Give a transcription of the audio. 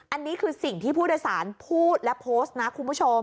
อันนี้คือสิ่งที่ผู้โดยสารพูดและโพสต์นะคุณผู้ชม